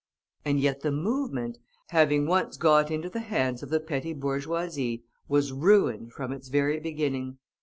And yet the movement, having once got into the hands of the petty bourgeoisie, was ruined from its very beginning.